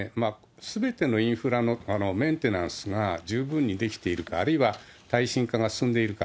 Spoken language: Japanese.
すべてのインフラのメンテナンスが十分にできているか、あるいは耐震化が進んでいるか。